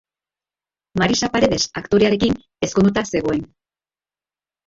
Marisa Paredes aktorearekin ezkondu zegoen.